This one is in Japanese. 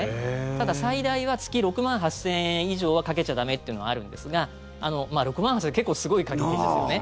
ただ最大は月６万８０００円以上はかけちゃ駄目というのがあるんですが６万８０００円って結構すごい掛け金ですよね。